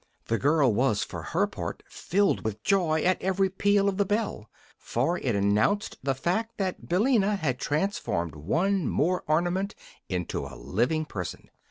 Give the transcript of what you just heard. The girl was, for her part, filled with joy at every peal of the bell, for it announced the fact that Billina had transformed one more ornament into a living person.